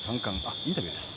インタビューです。